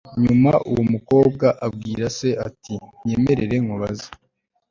nyuma uwo mukobwa abwira se ati unyemerere nkubaze